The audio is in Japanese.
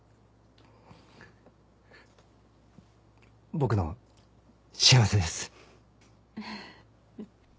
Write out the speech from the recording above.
僕の幸せです。